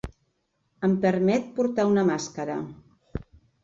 Em permet portar una màscara.